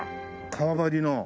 革張りの。